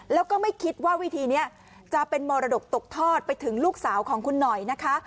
แล้วก็ไม่คิดว่าวิธีนี้จะเป็นมรดกตกทอดไปถึงลูกสาวของคุณหน่อยนะคะ